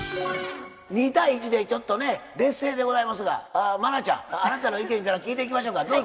２対１でちょっとね劣勢でございますが茉奈ちゃんあなたの意見から聞いていきましょうか。